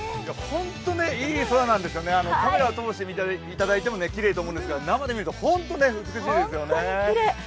ホントいい空なんですよね、カメラを通して見ていただいてもきれいと思うんですが、生で見ると本当に美しいですよね。